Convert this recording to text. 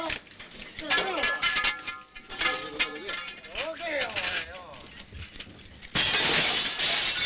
どけよお前よ！